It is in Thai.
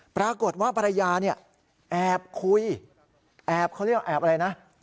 ปรากฏว่าภรรยาเนี่ยแอบคุยแอบเขาเรียกว่าแอบอะไรนะ